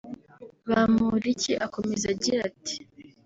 Bamporiki akomeza agira ati